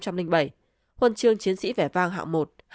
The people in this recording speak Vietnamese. huân chương chiến sĩ vẻ vang hạng một hai ba